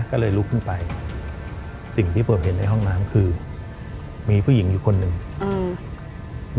ก็เลยลุกขึ้นไปสิ่งที่ผมเห็นในห้องน้ำคือมีผู้หญิงอยู่คนหนึ่งอืม